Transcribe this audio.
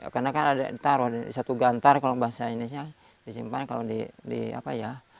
karena kan ada taruh di satu gantar kalau bahasa indonesia disimpan kalau di apa ya